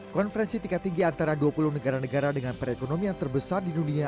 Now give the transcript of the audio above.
konferensi tingkat tinggi antara dua puluh negara negara dengan perekonomian terbesar di dunia